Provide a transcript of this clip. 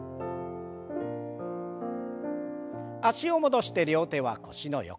脚を戻して両手は腰の横。